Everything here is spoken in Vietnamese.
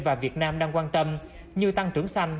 và việt nam đang quan tâm như tăng trưởng xanh